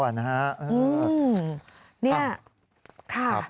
อืมนี่ค่ะ